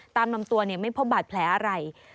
ตามลำตัวไม่พบบาดแผลอะไร